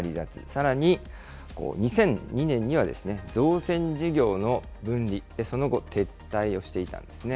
さらに、２００２年には造船事業の分離、その後、撤退をしていたんですね。